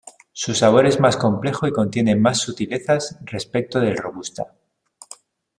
Su sabor es más complejo y contiene más sutilezas respecto del Robusta.